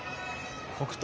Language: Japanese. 北勝